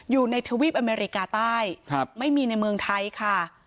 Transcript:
อยู่ในทวีปอเมริกาใต้ไม่มีในเมืองไทยค่ะ